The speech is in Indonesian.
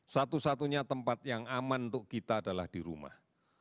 satu satunya tempat yang aman untuk kita adalah di rumah